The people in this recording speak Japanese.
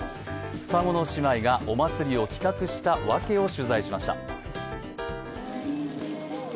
双子の姉妹がお祭りを企画したわけを取材しました。